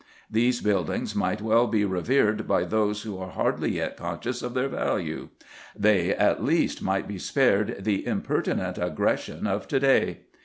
These buildings might well be revered by those who are hardly yet conscious of their value; they, at least, might be spared the impertinent aggressions of to day.